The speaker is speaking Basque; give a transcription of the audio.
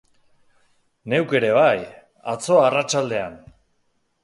Neuk ere bai... atzo arratsaldean.